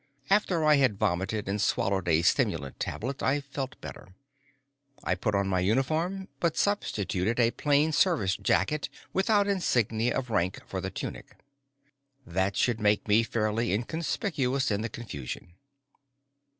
After I had vomited and swallowed a stimulant tablet, I felt better. I put on my uniform, but substituted a plain service jacket without insignia of rank for the tunic. That should make me fairly inconspicuous in the confusion.